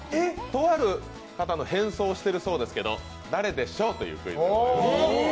とある方の変装をしているそうですけど、誰でしょうというクイズです。